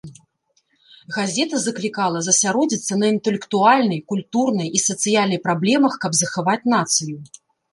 Газета заклікала засяродзіцца на інтэлектуальнай, культурнай і сацыяльнай праблемах каб захаваць нацыю.